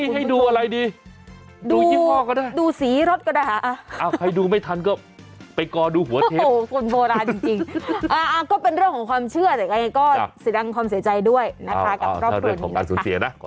ให้ดูอะไรดิดูยิ่งพอก็ได้ดูสีรถก็ได้เอ้าใครดูไม่ทันก็ไปกอดูหัวเทปโอ้โหส่วนโบราณจริง